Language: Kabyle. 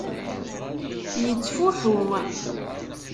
Yettfuḥu.